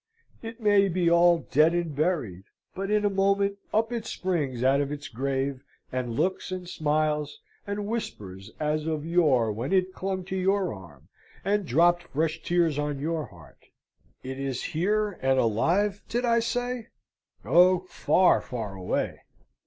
It may be all dead and buried; but in a moment, up it springs out of its grave, and looks, and smiles, and whispers as of yore when it clung to your arm, and dropped fresh tears on your heart. It is here, and alive, did I say? O far, far away!